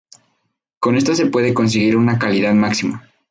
Con esto se puede conseguir una calidad máxima.